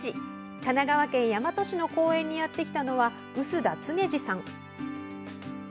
神奈川県大和市の公園にやってきたのは、臼田恒二さん。